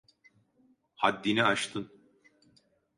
Haddini aştın.